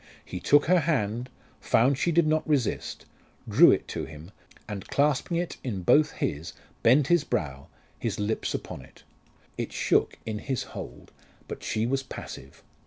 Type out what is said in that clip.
He took her hand, found she did not resist, drew it to him, and clasping it in both his, bent his brow, his lips upon it. It shook in his hold, but she was passive.